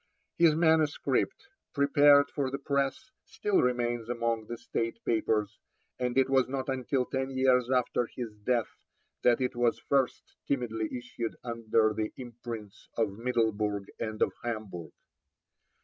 His manuscript, prepared for the press, still remains among the State Papers, and it was not until ten years after his death that it was first timidly issued under the imprints of Middelburg and of Hamburg.